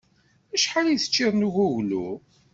Acḥal i teččiḍ n uguglu?